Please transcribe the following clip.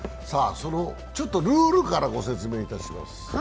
ルールからご説明いたします。